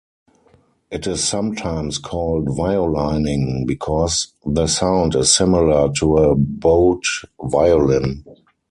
It is sometimes called "violining", because the sound is similar to a bowed violin.